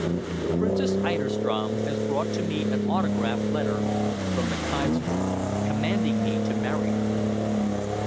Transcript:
The Princess Eiderstrom has brought me an autograph letter from the Kaiser, commanding me to marry her."